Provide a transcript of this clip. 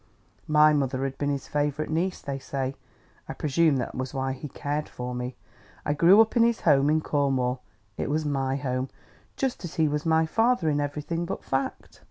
My mother had been his favorite niece, they say; I presume that was why he cared for me. I grew up in his home in Cornwall; it was my home, just as he was my father in everything but fact.